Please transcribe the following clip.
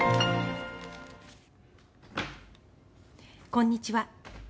こんにちは。